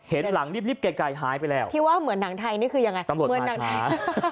เห็นหลังรีบไกลหายไปแล้วที่ว่าเหมือนหนังไทยนี่คือยังไงเหมือนหนัง